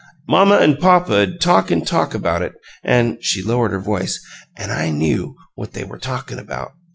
Mamma 'n' papa 'd talk an' talk about it, an'" she lowered her voice "an' I knew what they were talkin' about.